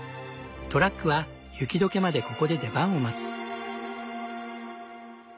トラックは雪解けまでここで出番を待つ。